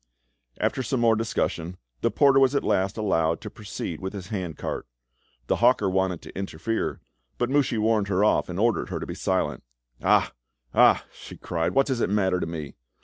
After some more discussion, the porter was at last allowed to proceed with his hand cart. The hawker wanted to interfere, but Mouchy warned her off and ordered her to be silent. "Ah! ah!" she cried, "what does it matter to me?